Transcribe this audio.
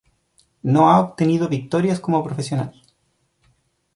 No ha obtenido victorias como profesional.